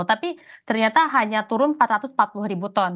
tapi ternyata hanya turun empat ratus empat puluh ribu ton